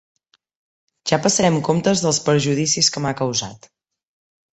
Ja passarem comptes dels perjudicis que m'ha causat.